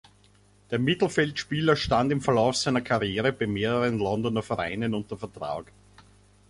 Der Mittelfeldspieler stand im Verlauf seiner Karriere bei mehreren Londoner Vereinen unter Vertrag.